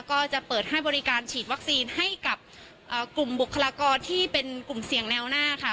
ก็จะเปิดให้บริการฉีดวัคซีนให้กับกลุ่มบุคลากรที่เป็นกลุ่มเสี่ยงแนวหน้าค่ะ